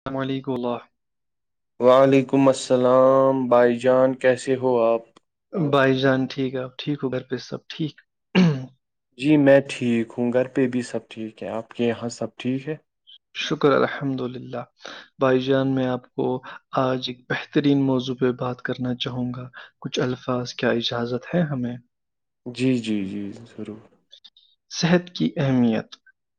استمالی گلہ وعلیکم السلام بھائی جان کیسے ہو آپ بھائی جان ٹھیک ہے آپ ٹھیک ہو گھر پہ سب ٹھیک جی میں ٹھیک ہوں گھر پہ بھی سب ٹھیک ہے آپ کے یہاں سب ٹھیک ہے شکر الحمد للہ بھائی جان میں آپ کو آج ایک بہترین موضوع پہ بات کرنا چاہوں گا کچھ الفاظ کیا اجازت ہے ہمیں جی جی جی ضرور صحت کی اہمیت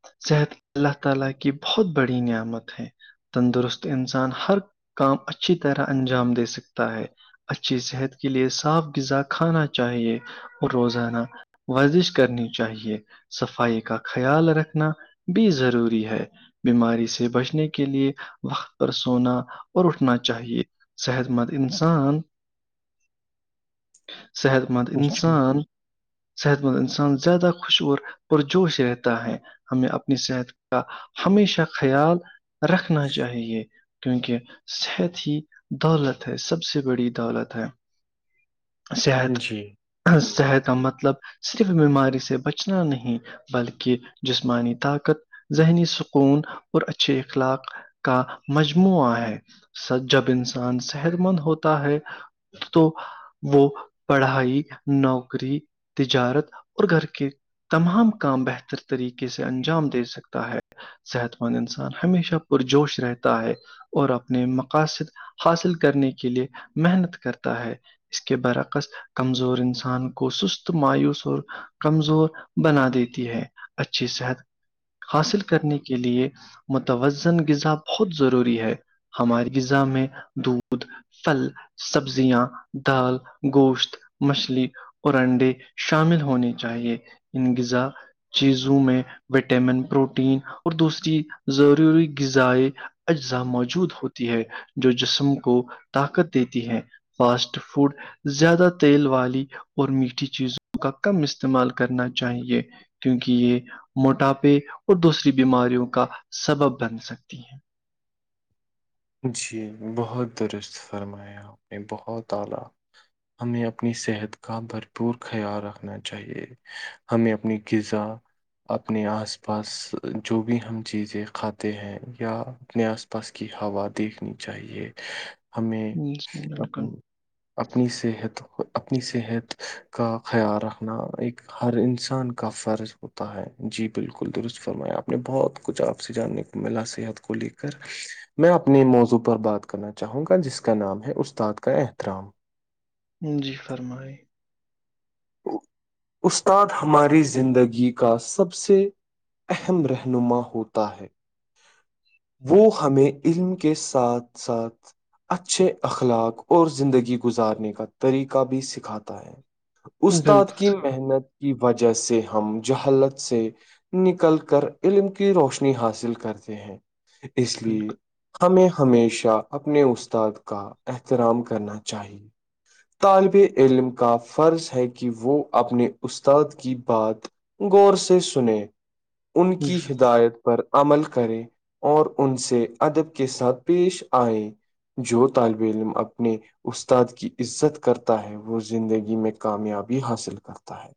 [unintelligible] تندرست انسان ہر کام اچھی طرح انجام دے سکتا ہے اچھی صحت کے لیے صاف غذا کھانا چاہیے اور روزانہ ورزش کرنی چاہیے صفائی کا خیال رکھنا بھی ضروری ہے بیماری سے بچنے کے لیے وقت پر سونا اور اٹھنا چاہیے صحت مند انسان صحت حت مند جی انسان صحت مند انسان ان زیادہ خوشور پر جوش رہتا ہے ہمیں اپنی صحت کا ہمیشہ خیال رکھنا چاہیے کیونکہ صحت ہی دولت ہے سب سے بڑی دولت ہے صحت جی صحت کا مطلب صرف بیماری سے بچنا نہیں بلکہ جسمانی طاقت ذہنی سکون اور اچھے اخلاق کا مجموعہ ہے س جب انسان صحت مند ہوتا ہے تو وہ پڑھائی نوکری تجارت اور گھر کے تمام کام بہتر طریقے سے انجام دے سکتا ہے صحت مند انسان ہمیشہ پرجوش رہتا ہے اور اپنے مقاصد حاصل کرنے کے لیے محنت کرتا ہے اس کے برعکس کمزور انسان کو سست مایوس اور کمزور بنا دیتی ہے اچھی صحت حاصل کرنے کے لیے متوزن غذا بہت ضروری ہے ہماری غذا میں دودھ پھل سبزیاں دال گوشت مچھلی اور انڈے شامل ہونے چاہیے ان غذا چیزوں میں وٹامن پروٹین اور دوسری ضروری غذائ اجزاء موجود ہوتی ہے جو جسم کو طاقت دیتی ہے فاسٹ فوڈ زیادہ تیل والی اور میٹھی چیزوں کا کم استعمال کرنا چاہیے کیونکہ یہ موٹاپے اور دوسری بیماریوں کا سبب بن سکتی ہیں جی بہت درست فرمایا بہت اعلی ہمیں اپنی صحت کا بھرپور خیال رکھنا چاہیے ہمیں اپنی غذا اپنے آس پاس جو بھی ہم چیزیں کھاتے ہیں یا اپنے آس پا پس کی ہوا دیکھنی چاہیے ہمیں جی بالکل اپنی اپنی صحت اپنی صحت کا خیال رکھنا ایک ہر انسان کا فرض ہوتا ہے جی بالکل درست فرمایا آپ نے بہت کچھ آپ سے جاننے ملا سیات کو لے کر میں آپ اپنے موضوع پر بات کرنا چاہوں گا جس کا نام ہے استاد کا احترام جی فرمائی استاد ہماری زندگی کا سب سے اہم رہنما ہوتا ہے وہ ہمیں علم کے ساتھ ساتھ اچھے اخلاق اور زندگی گزارنے کا طریقہ بھی سکھاتا ہے استاد بالکل کی محنت کی وجہ سے ہم جہلت سے نکل کر علم کی روشنی حاصل کرتے ہیں اس لیے بالکل ہمیں ہمیشہ اپنے استاد کا احترام کرنا چاہیے طالب علم کا فرض ہے کہ کہ وہ اپنے استاد کی بات غور سے سنے ان جی کی ہدایت پر عمل کرے اور ان سے ادب کے ساتھ پیش آئے جو طالب علم اپنے استاد کی عزت کرتا ہے وہ زندگی میں کامیاب حاصل کرتا ہے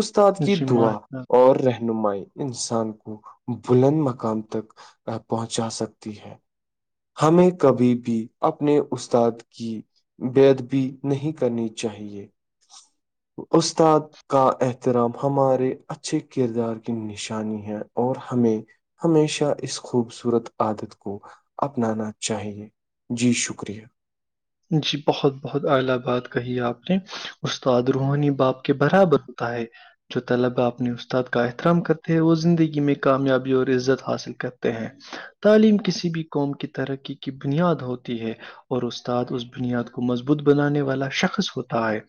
استاد کی جی دعا ماشاء اور رہنمائی انسان کو بلند مقام تک پہنچا سکتی ہے ہمیں کبھی بھی اپنے استاد کی بےدبی نہیں کرنی چاہیے استاد کا احترام ہمارے اچھے کردار کی نشانی ہے اور ہمیں ہمیشہ اس خوبصورت عادت کو اپنانا چاہیے جی شکریہ جی بہت بہت اعلی بات کہی ہے آپ نے استاد روحانی باپ کے برابر ہوتا ہے جو طلباء اپنے استاد کا احترام کرتے ہیں وہ زندگی میں کامیابی اور عزت حاصل کرتے ہیں تعلیم کسی بھی قوم کی ترقی کی بنیاد ہوتی ہے اور اس اس بنیاد کو مضبوط بنانے والا شخص ہوتا ہے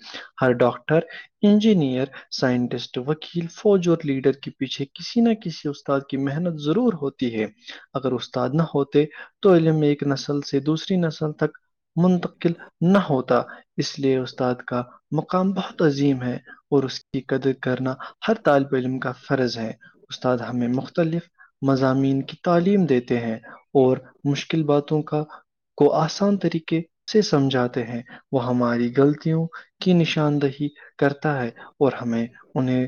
ہر ڈاکٹر انجینئر سائنٹسٹ وکیل فوج اور لیڈر کے پیچھے کسی نہ کسی استاد کی محنت ضرور ہوتی ہے اگر استاد نہ ہوتے تو علم ایک نسل سے دوسری نسل تک منتقل نہ ہوتا اس لیے استاد کا مقام بہت عظیم ہے اور اس کی قدر کرنا ہر طالب علم کا فرض ہے استاد ہمیں مختلف مضامین کی تعلیم دیتے ہیں اور مشکل باتوں کا کو آسان طریقے سے سمجھاتے ہیں وہ ہماری غلطوں کی نشاندہی کرتا ہے اور ہمیں انہیں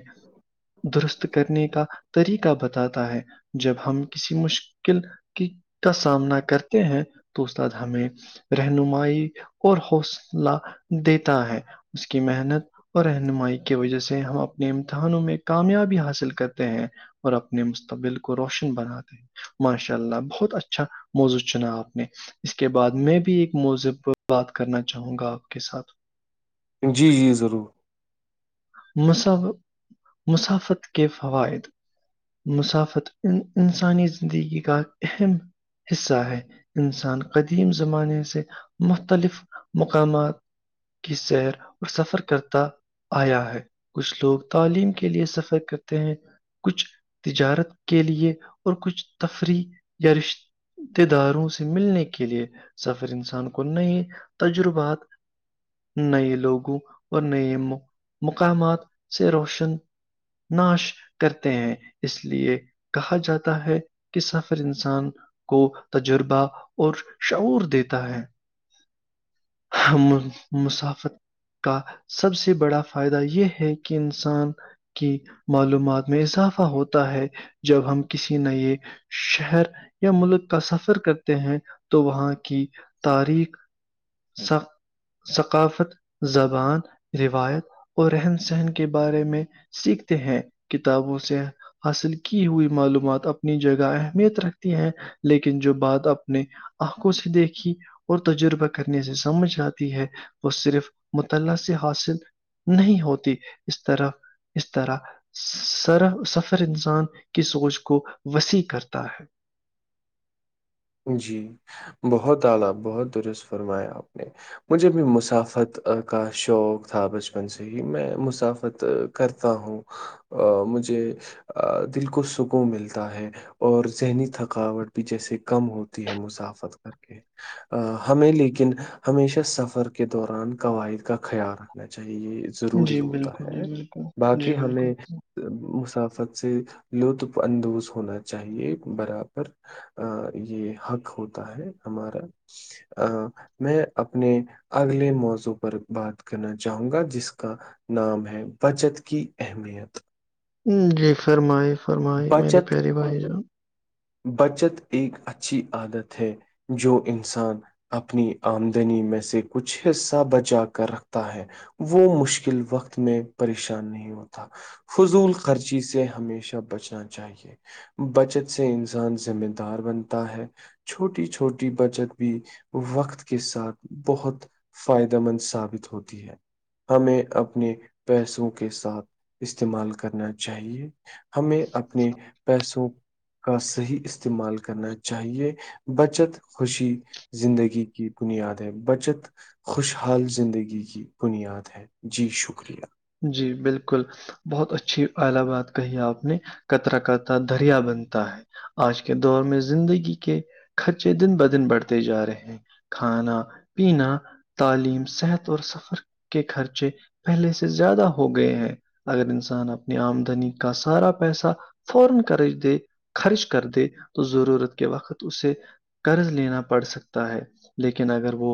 درست کرنے کا طریقہ بتاتا ہے جب ہم کسی مشکل کی کا سامنا کرتے ہیں تو استاد ہمیں رہ رہنمائی اور حوصلہ دیتا ہے اس کی محنت اور رہنمائی کی وجہ سے ہم اپنے امتحانوں میں کامیابی حاصل کرتے ہیں اور اپنے مستقبل کو روشن بناتے ہیں ماشاء اللہ بہت اچھا موضوع چنا آپ نے اس کے بعد میں بھی ایک موضب پر بات کرنا چاہوں گا آپ کے ساتھ جی جی ضرور مس مسافت کے فوائد مسافت ان انسانی زندگی کا اہم حصہ ہے انسان قدیم زمانے سے مختلف مقامات کی سیر اور سفر کرتا آیا ہے کچھ لوگ تعلیم کے لیے سفر کرتے ہیں کچھ تجارت کے لیے اور کچھ تفریح یا رش د داروں سے ملنے کے لیے سفر انسان کو نہیںئے تجربات نئے لوگوں اور نئے مقامات سے روشن ناش کرتے ہیں اس لیے کہا جاتا ہے کہ سفر انسان کو تجربہ اور شعور دیتا ہے مسافت کا سب سے بڑا فائدہ یہ ہے کہ انسان کی معلومات میں اضافہ ہوتا ہے جب ہم کسی ن یہ شہر یا ملک کا سفر کرتے ہیں تو وہاں کی تاریخ ثقافت زبان روایت اور رہن سہن کے بارے میں سیکھتے ہیں کتابوں سے حاصل کی ہوئی معلومات اپنی جگہ اہمیت رکھتی ہیں لیکن جو بات اپنے آنکھوں سے دیکھی اور تجربہ کرنے سے سمجھ آتی ہے وہ صرف مطعہ سے حاصل نہیں ہوتی اس طرح اس طرح سرا سفر انسان کی سوچ کو وسیع کرتا ہے جی بہت اعلی بہت درست فرمایا آپ نے مجھے بھی مسافت کا شوق تھا بچپن سے میں مسافت کرتا ہوں مجھے دل کو سکون ملتا ہے اور ذہنی تھکاوٹ بھی جیسے کم ہوتی ہے مسافت کر کے ہمیں لیکن ہمیشہ سفر کے دوران قواعد کا خیال رکھنا چاہے یہ ضروری جی ہوتا بالکل ہے جی بالکل جی باقی بالکل ہمیں مسافت سے لطف اندوز ہونا چاہیے برابر یہ حق ہوتا ہے ہمارا میں اپنے اگلے موضوع پر بات کرنا چاہوں گا جس کا نام ہے بچت کی اہمیت جی فرمائی فرمائی میری بچت پیاری بھائی جان بچت ایک اچھی عادت ہے جو انسان اپنی آمدنی میں سے کچھ حصہ بچا کر رکھتا ہے وہ مشکل وقت میں پریشان نہیں ہوتا فضول خرچی سے ہمیشہ بچنا چاہیے بچت سے انسان ذمہ دار بنتا ہے چھوٹی چھوٹی بچت بھی وقت کے ساتھ بہت فائدہ مند ثابت ہوتی ہے ہمیں اپنے پیسوں کے ساتھ استعمال کرنا چاہیے ہمیں اپنے پیسوں کا صحیح استعمال کرنا چاہیے بچت خوشی زندگی کی بنیاد ہے بچت خوشحال زندگی کی بنیاد ہے جی شکریہ جی بالکل بہت اچھی الیباد کہی آپ نے کترا کرتا دریا بنتا ہے آج کے دور میں زندگی کے خرچے دن بدن بڑھتے جا رہے ہیں کھانا پینا تعلیم صحت اور سفر کے خرچے پہلے سے زیادہ ہو گئے ہیں عرب انسان اپنی امدنی کا سارا پیسہ فورا کر رہے تھے خرچ کر دے تو ضرورت کے وقت اسے قرض لینا پڑ سکتا ہے لیکن اگر وہ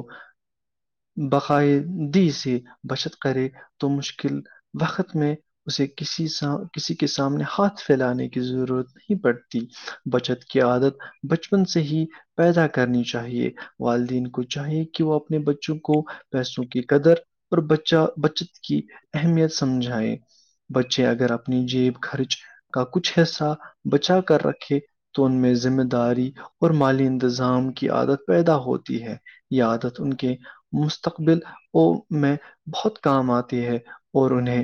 باقاعدی سے بچت کرے تو مشکل وقت میں اسے کسی کسی کے سامنے ہاتھ پھیلانے کی ضرورت پڑتی بچت کی عادت بچپن سے ہی پیدا کرنی چاہیے والدین کو چاہیے کہ وہ اپنے بچوں کو پیسوں کی قدر اور بچہ بچ کی اہمیت سمجھائے بچے اگر اپنی جیب خرچ کا کچھ حصہ بچا کر رکھے تو ان میں ذمہ داری اور مالی انتظام کی عادت پیدا ہوتی ہے یہ عادت ان کے مستقبل ا میں بہت کام آتا ہے اور انہیں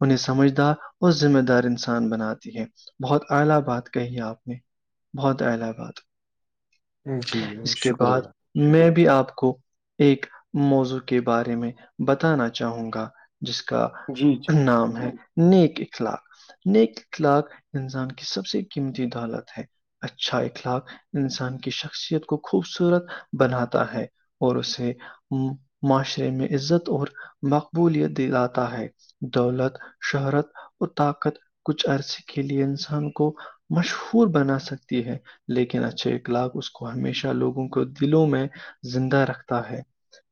انہیں سمجھدار اور ذمہ دار انسان بناتی ہے بہت اعلی بات کہی اپ نے بہت اعلی بات جی اس کے بعد شکریہ میں بھی آپ کو ایک موضوع کے بارے میں بتانا چاہوں گا جس کا جی جی نام ہے نیک اخلاق نیکخلاق انسان کی سب سے قیمتی دالت ہے اچھا اخلاق انسان کی شخصیت کو خوبصورت بناتا ہے اور اسے معاشرے میں عزت اور مقبولیت دلاتا ہے دولت شہرت وہ طاقت کچھ عرصے کے لیے انسان کو مشہور بنا سکتی ہے لیکن اچھے اخلاق اس کو ہمیشہ لوگوں کو دلوں میں زندہ رکھتا ہے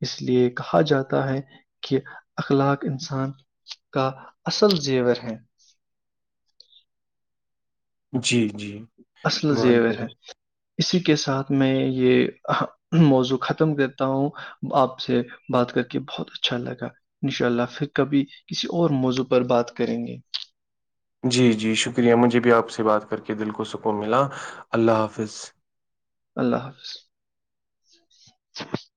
اس لیے کہا جاتا ہے کہ اخلاق انسان کا اصل زیور ہے جی جی اصل بہت زیور ہے درست اسی جی کے ساتھ میں یہ موضوع ختم کرتا ہوں آپ سے بات کر کے بہت اچھا لگا ان شاء اللہ پھر کبھی کسی اور موضوع پر بات کریں گے جی جی شکریہ مجھے بھی آپ سے بات کر کے دل کو سکون ملا اللہ حافظ اللہ حافظ